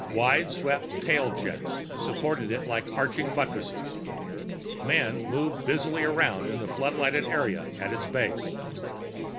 Wideswept tailjets supported it like arching buttresses. Men moved busily about in the floodlighted area at its base.